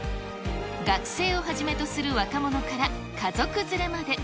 学生をはじめとする若者から家族連れまで。